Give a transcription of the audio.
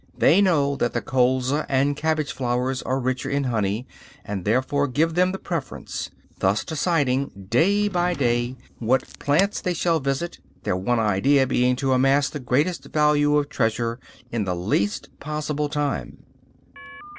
They know that the colza and cabbage flowers are richer in honey, and therefore give them the preference; thus deciding, day by day, what plants they shall visit, their one idea being to amass the greatest value of treasure in the least possible time.